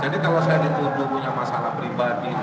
jadi kalau saya dituduh punya masalah pribadi